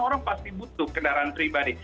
orang pasti butuh kendaraan pribadi